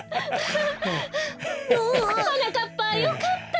はなかっぱよかった！